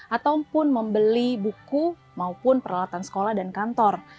ataupun membeli buku maupun peralatan sekolah dan kantor